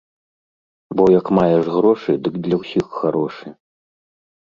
Бо як маеш грошы, дык для ўсіх харошы.